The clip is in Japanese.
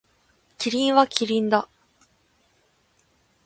キリンはキリンだ。